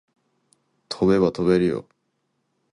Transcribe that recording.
飛べば飛べるよ